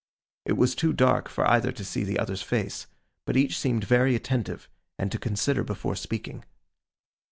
It was too dark for either to see the other's face; but each seemed very attentive, and to consider before speaking.